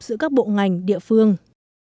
giữa các bộ ngành địa phương